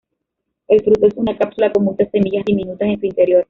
El fruto es una cápsula con muchas semillas diminutas en su interior.